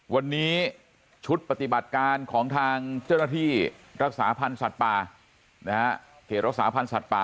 วันนี้ชุดปฏิบัติการของทางเจ้าหน้าที่รักษาพันธ์สัตว์ป่าเขตรักษาพันธ์สัตว์ป่า